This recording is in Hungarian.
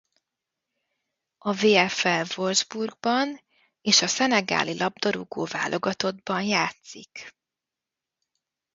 A VfL Wolfsburgban és a szenegáli labdarúgó-válogatottban játszik.